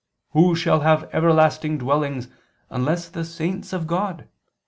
xxxv, 1): "Who shall have everlasting dwellings unless the saints of God?